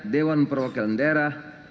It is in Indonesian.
dewan perwakilan daerah